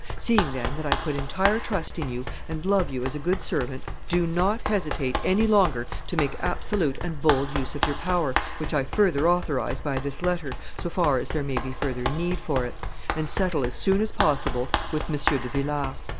Seeing, then, that I put entire trust in you and love you as a good servant, do not hesitate any longer to make absolute and bold use of your power, which I further authorize by this letter, so far as there may be further need for it, and settle as soon as possible with M. de Villars.